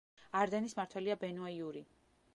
არდენის მმართველია ბენუა იური.